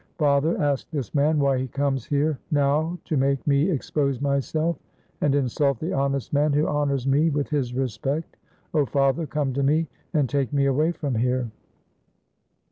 Father, ask this man why he comes here now to make me expose myself, and insult the honest man who honors me with his respect. Oh, father, come to me, and take me away from here."